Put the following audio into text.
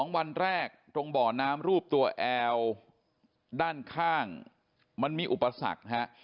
วันแรกตรงบ่อน้ำรูปตัวแอลด้านข้างมันมีอุปสรรคฮะ